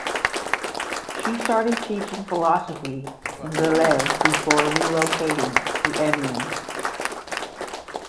She started teaching philosophy in Lille before relocating to Amiens.